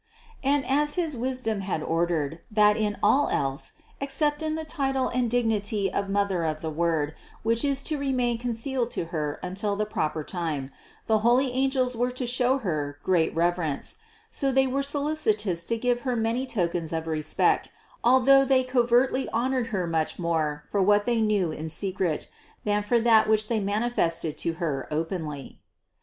And as his wis dom had ordered, that in all else, except in the title and dignity of Mother of the Word, which was to remain concealed to Her until the proper time, the holy angels were to show Her great reverence; so they were solici tous to give Her many tokens of respect, although they covertly honored Her much more for what they knew in secret, than for that which they manifested to Her openly.